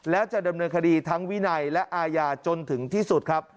และจะดำเนินคดีทั้งวินัยและอาญาจนถึงที่สุดครับ